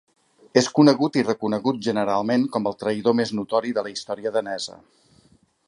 És conegut i reconegut generalment com el traïdor més notori de la història danesa.